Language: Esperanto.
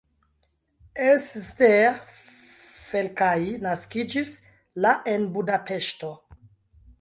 Eszter Felkai naskiĝis la en Budapeŝto.